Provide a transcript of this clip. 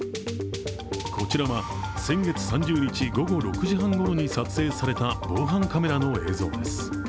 こちらは先月３０日午後６時半ごろに撮影された防犯カメラの映像です。